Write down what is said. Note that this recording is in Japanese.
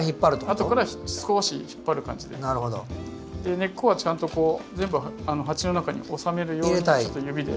根っこはちゃんと全部鉢の中に収めるように指で。